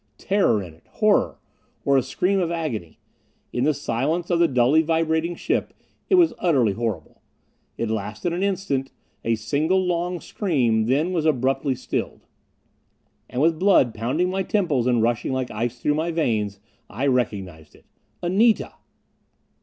Terror in it. Horror. Or a scream of agony. In the silence of the dully vibrating ship it was utterly horrible. It lasted an instant a single long scream; then was abruptly stilled. And with blood pounding my temples and rushing like ice through my veins, I recognized it. Anita!